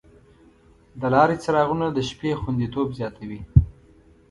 د لارې څراغونه د شپې خوندیتوب زیاتوي.